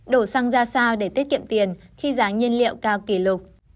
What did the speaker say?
đổ xăng ra sao để tiết kiệm tiền khi giá nhiên liệu cao kỷ lục